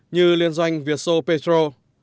như liên doanh việt xô petro